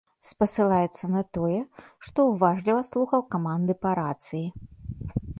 Спасылаецца на тое, што уважліва слухаў каманды па рацыі.